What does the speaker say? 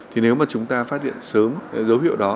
thì nếu mà chúng ta phát hiện sớm dấu hiệu đó